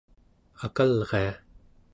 akalria